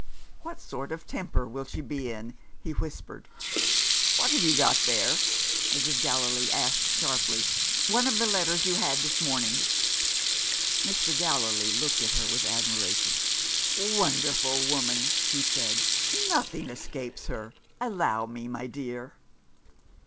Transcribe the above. "What sort of temper will she be in?" he whispered. "What have you got there?" Mrs. Gallilee asked sharply. "One of the letters you had this morning?" Mr. Gallilee looked at her with admiration. "Wonderful woman!" he said. "Nothing escapes her! Allow me, my dear."